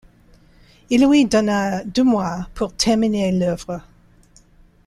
Il lui donna deux mois pour terminer l’œuvre.